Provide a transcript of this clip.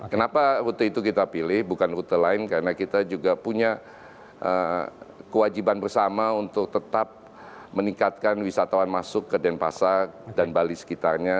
kenapa rute itu kita pilih bukan rute lain karena kita juga punya kewajiban bersama untuk tetap meningkatkan wisatawan masuk ke denpasar dan bali sekitarnya